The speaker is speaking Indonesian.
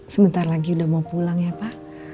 sebentar lagi udah mau pulang ya pak